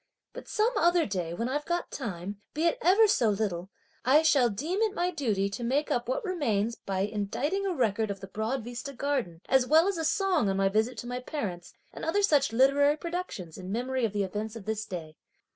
But some other day when I've got time, be it ever so little, I shall deem it my duty to make up what remains by inditing a record of the Broad Vista Garden, as well as a song on my visit to my parents and other such literary productions in memory of the events of this day.